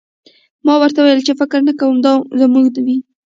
ما ورته وویل چې فکر نه کوم دا زموږ وي